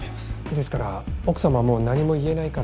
ですから奥様はもう何も言えないから。